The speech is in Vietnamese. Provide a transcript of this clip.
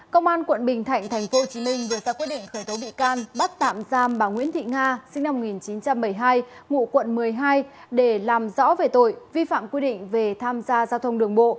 công an quận bình thạnh tp hcm vừa ra quyết định khởi tố bị can bắt tạm giam bà nguyễn thị nga sinh năm một nghìn chín trăm bảy mươi hai ngụ quận một mươi hai để làm rõ về tội vi phạm quy định về tham gia giao thông đường bộ